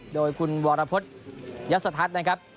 โดยคุณวรพฤษยศทัศน์นะครับ